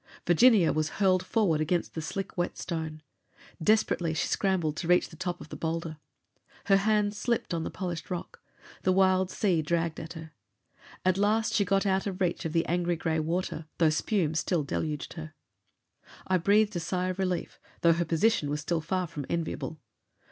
Virginia was hurled forward against the slick wet stone. Desperately she scrambled to reach the top of the boulder. Her hands slipped on the polished rock; the wild sea dragged at her. At last she got out of reach of the angry gray water, though spume still deluged her. I breathed a sigh of relief, though her position was still far from enviable.